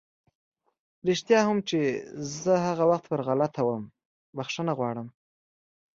رښتيا هم چې زه هغه وخت پر غلطه وم، بښنه غواړم!